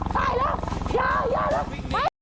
ตายแล้วยายาแล้ว